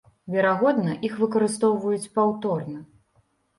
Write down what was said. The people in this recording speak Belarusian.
Верагодна, іх выкарыстоўваюць паўторна.